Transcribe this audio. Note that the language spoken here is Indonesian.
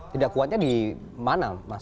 tidak kuatnya di mana mas